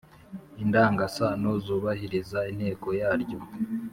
indangasano zubahiriza inteko yaryo,